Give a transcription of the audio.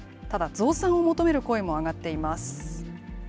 ただ、増産を求める声も上がっています。